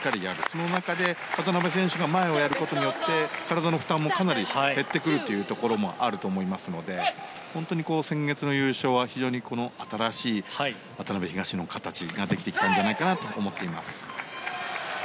その中で渡辺選手が前をやることによって体の負担もかなり減ってくるというところもあると思いますので本当に先月の優勝は非常に新しい渡辺・東野の形ができてきたんじゃないかと思っています。